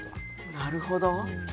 なるほど。